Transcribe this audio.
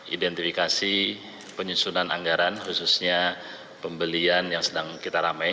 identifikasi penyusunan anggaran khususnya pembelian yang sedang kita ramai